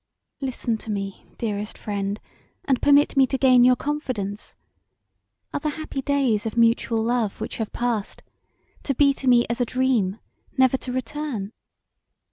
"Listen to me, dearest friend, and permit me to gain your confidence. Are the happy days of mutual love which have passed to be to me as a dream never to return?